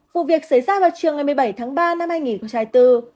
một việc xảy ra vào trường ngày một mươi bảy tháng ba năm hai nghìn của trai tư